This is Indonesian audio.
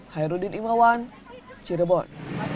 hairudin imawan cirebon